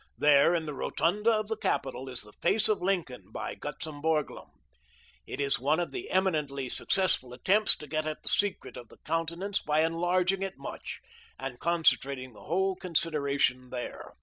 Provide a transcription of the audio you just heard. There, in the rotunda of the capitol, is the face of Lincoln by Gutzon Borglum. It is one of the eminently successful attempts to get at the secret of the countenance by enlarging it much, and concentrating the whole consideration there.